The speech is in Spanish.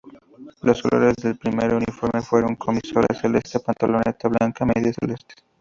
Los colores del primer uniforme fueron: Camisola celeste, Pantaloneta blanca, Medias celestes.